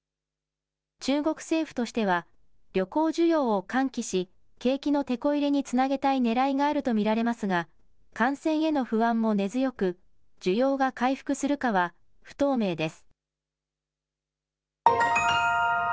中国政府としては旅行需要を喚起し景気のてこ入れにつなげたいねらいがあると見られますが感染への不安も根強く需要が回復するかは不透明です。